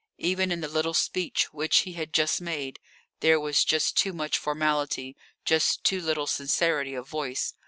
Even in the little speech which he had just made, there was just too much formality, just too little sincerity of voice.